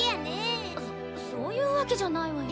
そそういうわけじゃないわよ。